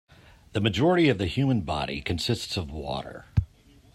The majority of the human body consists of water.